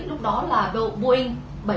lúc đó là boeing bảy trăm bảy mươi bảy